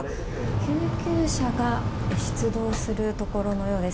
救急車が出動するところのようです。